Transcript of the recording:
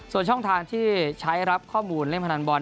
ส่วนช่องทางที่ใช้รับข้อมูลเล่นพนันบอล